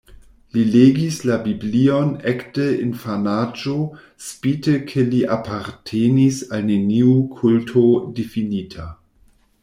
Li legis la Biblion ekde infanaĝo spite ke li apartenis al neniu kulto difinita.